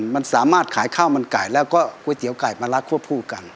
มันสามารถขายข้าวมันไก่แล้วก็ก๋วยเตี๋ยวไก่มารักควบคู่กัน